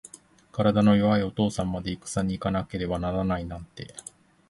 体の弱いお父さんまで、いくさに行かなければならないなんて。